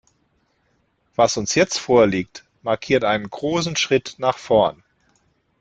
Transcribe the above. Was uns jetzt vorliegt, markiert einen großen Schritt nach vorn.